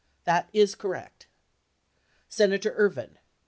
That is correct. Senator Ervin.